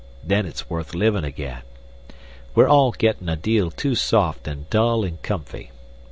Then it's worth livin' again. We're all gettin' a deal too soft and dull and comfy.